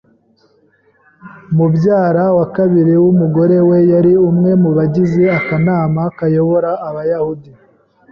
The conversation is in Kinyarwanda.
Mubyara wa kabiri w'umugore we yari umwe mu bagize akanama kayobora Abayahudi.